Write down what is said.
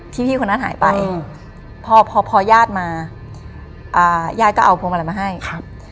ที่พี่คนนั้นหายไปพอพอพ่อยาดมาอ่ายายก็เอาพวกมันละมาให้ครับ